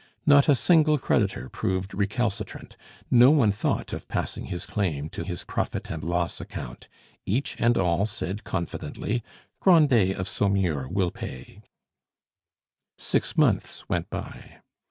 Not a single creditor proved recalcitrant; no one thought of passing his claim to his profit and loss account; each and all said confidently, "Grandet of Saumur will pay." Six months went by.